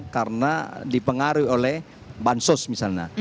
karena dipengaruhi oleh bantuan sosial misalnya